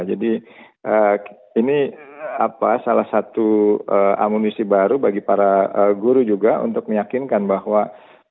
jadi ini salah satu amunisi baru bagi para guru juga untuk meyakinkan bahwa bahasa indonesia